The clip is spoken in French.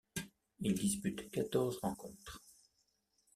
Il dispute quatorze rencontres.